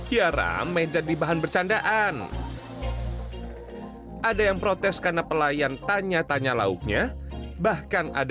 ya rame jadi bahan bercandaan ada yang protes karena pelayan tanya tanya lauknya bahkan ada